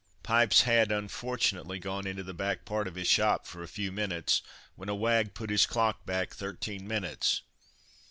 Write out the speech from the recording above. Pipes had, unfortunately, gone into the back part of his shop for a few minutes, when a wag put his clock back thirteen minutes.